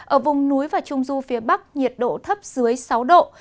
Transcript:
ở vùng núi và trung du phía bắc nhiệt độ thấp dưới sáu độ